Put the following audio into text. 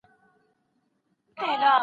شاوخوا یې بیا پر قبر ماجر جوړ کئ